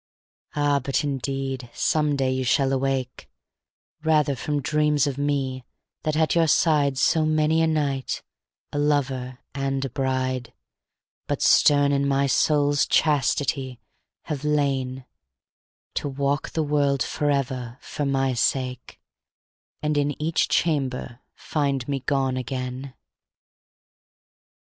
Ah, but indeed, some day shall you awake, Rather, from dreams of me, that at your side So many nights, a lover and a bride, But stern in my soul's chastity, have lain, To walk the world forever for my sake, And in each chamber find me gone again!